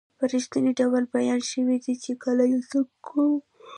په رښتني ډول بیان شوي دي چې کله یو څوک کوم